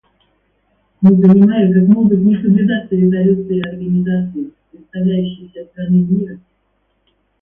Я не понимаю, как могут не соблюдаться резолюции организации, представляющей все страны мира?